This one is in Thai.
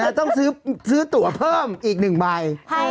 และต้องซื้อตั๋วเพิ่มอีกหนึ่งใบ